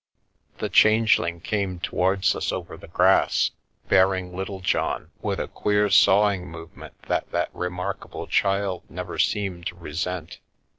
The Changeling came towards us over the grass, bear ing Littlejohn with a queer, sawing movement that that remarkable child never seemed to resent.